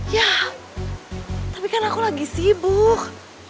ya tapi kan aku lagi sibuk